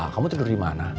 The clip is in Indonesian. kamu tidur dimana